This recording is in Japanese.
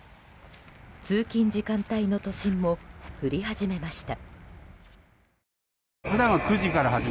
通勤時間帯の都心も降り始めました。